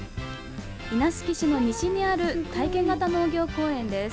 稲敷市の西端にある体験型農業公園です。